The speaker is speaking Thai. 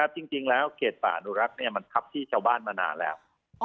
จริงแล้วเขตป่าอนุรักษ์มันทับที่ชาวบ้านมานานแล้ว